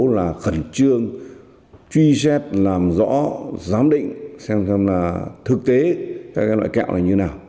là khẩn trương truy xét làm rõ giám định xem xem là thực tế các loại kẹo này như nào